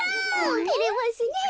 てれますねえ。